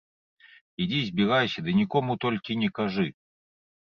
Ідзі, збірайся, ды нікому толькі не кажы.